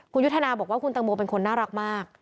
คุณยุทธนาบอกว่าคุณตังโมเป็นคนน่ารักมาก